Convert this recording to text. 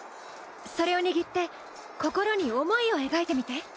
それを握って心に想いを描いてみて。